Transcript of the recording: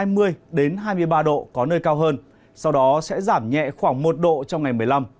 trời lạnh ở khu vực nghệ an có nơi cao hơn sau đó sẽ giảm nhẹ khoảng một độ trong ngày một mươi năm